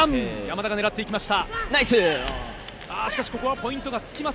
山田が狙っていきました。